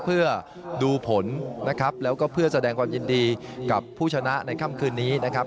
เพื่อดูผลนะครับแล้วก็เพื่อแสดงความยินดีกับผู้ชนะในค่ำคืนนี้นะครับ